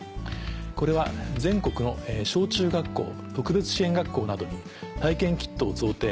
これは全国の小・中学校特別支援学校などに体験キットを贈呈。